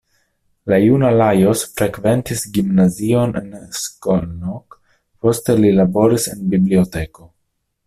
La juna Lajos frekventis gimnazion en Szolnok, poste li laboris en biblioteko.